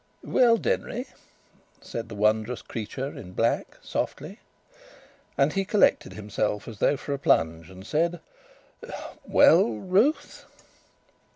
"Well, Denry!" said the wondrous creature in black, softly. And he collected himself as though for a plunge, and said: "Well, Ruth!"